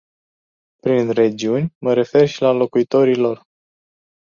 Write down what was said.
Prin regiuni, mă refer și la locuitorii lor.